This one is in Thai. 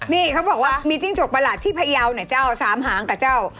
นี่เขาบอกว่ามีจิ้งจกประหลาดที่พยาวนะเจ้าสามหางกับเจ้า